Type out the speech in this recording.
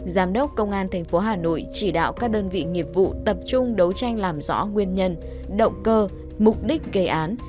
giám đốc công an tp hà nội chỉ đạo các đơn vị nghiệp vụ tập trung đấu tranh làm rõ nguyên nhân động cơ mục đích gây án